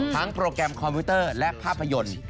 โปรแกรมคอมพิวเตอร์และภาพยนตร์